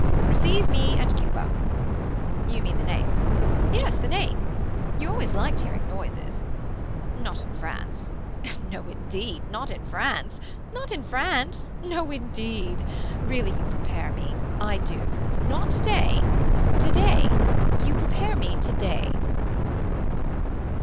Receive me and Cuba. You mean the name. Yes the name. You always liked hearing noises. Not in France. No indeed not in France. Not in France. No indeed. Really you prepare me. I do. Not today. Today. You prepare me today.